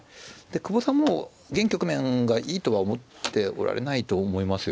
久保さんも現局面がいいとは思っておられないと思いますよ。